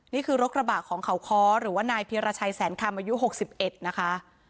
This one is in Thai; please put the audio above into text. นี่คือรถกระบะของเขาคอร์หรือว่านายพิราชัยแสนคลามอายุหกสิบเอ็ดนะคะ